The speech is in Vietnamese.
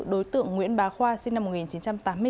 đối tượng nguyễn bà khoa sinh năm một nghìn chín trăm tám mươi sáu